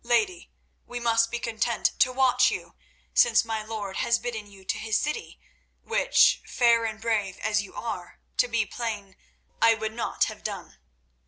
Lady, we must be content to watch you, since my lord has bidden you to his city, which, fair and brave as you are, to be plain, I would not have done."